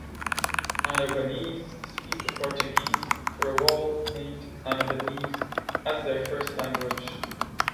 Annobonese speak a Portuguese Creole, named Annobonese, as their first language.